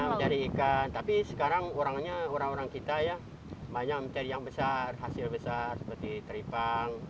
mencari ikan tapi sekarang orang orang kita ya banyak mencari yang besar hasil besar seperti teripang